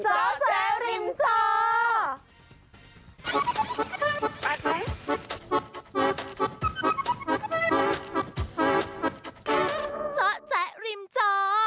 เจาะแจ๊ริมจอ